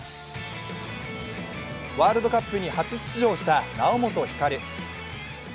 ワールドカップに初出場した猶本光。